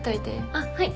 あっはい。